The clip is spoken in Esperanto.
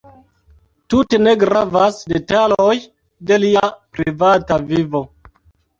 Tute ne gravas detaloj de lia privata vivo.